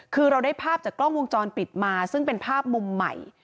คือเราได้ภาพจากกล้องวงจรปิดมาซึ่งเป็นภาพมุมใหม่